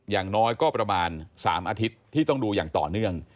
อย่างน้อยก็ประมาณ๓อาทิตย์ที่ต้องดูอย่างต่อเนื่อง